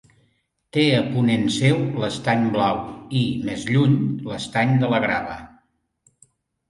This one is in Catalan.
Té a ponent seu l'Estany Blau i, més lluny, l'Estany de la Grava.